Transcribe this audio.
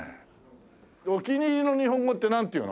お気に入りの日本語ってなんて言うの？